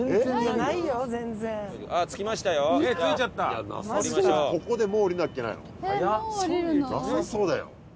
なさそうだよ。